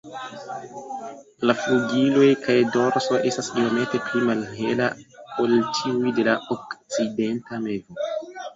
La flugiloj kaj dorso estas iomete pli malhela ol tiuj de la Okcidenta mevo.